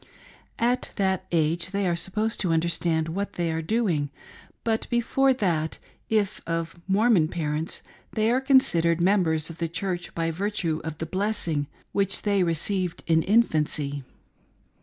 At that age they are supposed to understand what they are doing; but before that, if of Mormon parents, they are considered mem bers of the Church by virtue of the blessing which they re THE RITE OF CONFIRMATION. 5 J ceived in infancy.